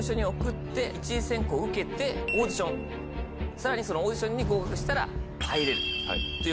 さらにそのオーディションに合格したら。